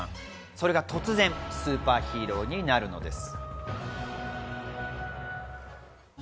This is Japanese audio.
それが突然スーパーヒーローになるのです。